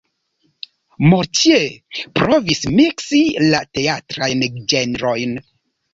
Mortier provis miksi la teatrajn ĝenrojn.